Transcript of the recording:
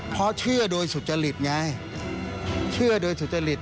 เพราะเชื่อโดยสุจริตไงเชื่อโดยสุจริต